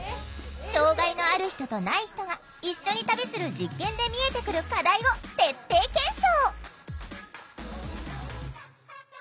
障害のある人とない人が一緒に旅する実験で見えてくる課題を徹底検証！